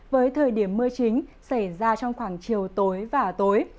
với thời điểm mưa chính xảy ra trong khoảng chiều tối và tối